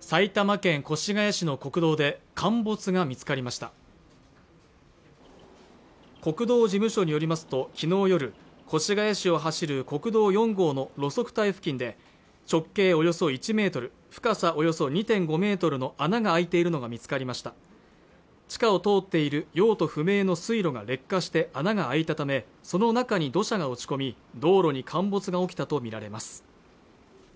埼玉県越谷市の国道で陥没が見つかりました国道事務所によりますときのう夜越谷市を走る国道４号の路側帯付近で直径およそ１メートル深さおよそ２．５メートルの穴が開いているのが見つかりました地下を通っている用途不明の水路が劣化して穴が空いたためその中に土砂が落ち込み道路に陥没が起きたと見られます